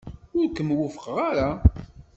Ur kem-wufqeɣ ara.